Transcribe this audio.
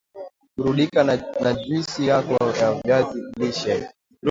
Burudika na juisi yako ya viazi lishe